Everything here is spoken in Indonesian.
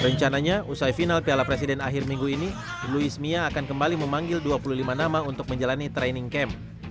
rencananya usai final piala presiden akhir minggu ini luis mia akan kembali memanggil dua puluh lima nama untuk menjalani training camp